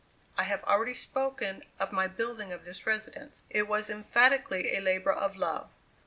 I have already spoken of my building of this residence. It was emphatically a labor of love.